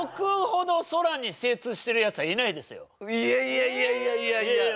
いやいやいやいやいやいや！